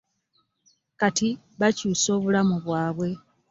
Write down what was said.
Kati bakyusa obulamu bwabwe.